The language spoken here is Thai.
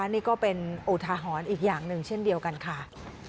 นี่ก็เป็นอุทาหรณ์อีกอย่างหนึ่งเช่นเดียวกันค่ะ